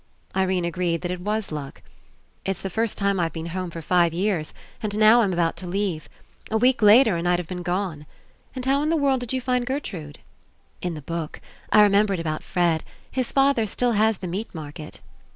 Irene agreed that It was luck. "It's the first time I've been home for five years, and now I'm about to leave. A week later and I'd have been gone. And how In the world did you find Gertrude?" "In the book. I remembered about Fred. His father still has the meat mar ket."